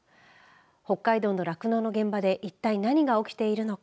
北海道の酪農の現場で一体何が起きているのか。